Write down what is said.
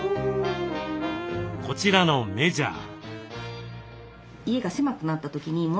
こちらのメジャー。